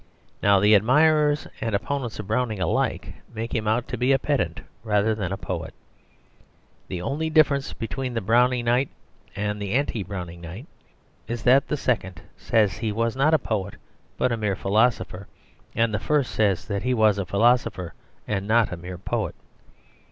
Now the admirers and opponents of Browning alike make him out to be a pedant rather than a poet. The only difference between the Browningite and the anti Browningite, is that the second says he was not a poet but a mere philosopher, and the first says he was a philosopher and not a mere poet.